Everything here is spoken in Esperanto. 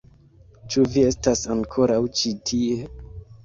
Ĉu vi estas ankoraŭ ĉi tie?